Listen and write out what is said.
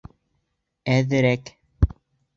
— Әҙерәк.